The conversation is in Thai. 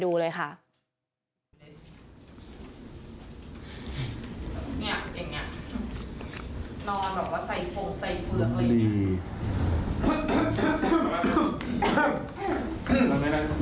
นอนอะว่าใส่โค้งใส่เปลี่ยน